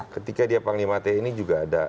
ketika dia panglima tni juga ada